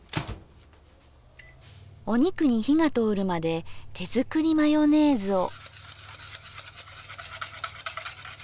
お肉に火が通るまで手作りマヨネーズを。